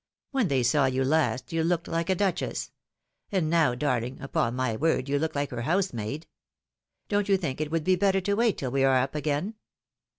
" When they saw you last, you looked hke a duchess ; and now darling, upon my word you look like her housemaid. Don't you think it would be better to wait till we are up again